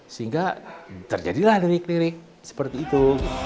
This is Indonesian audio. sehingga terjadilah lirik lirik seperti itu